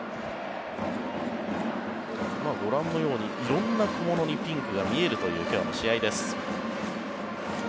ご覧のように色んな小物にピンクが見えるという今日の試合です。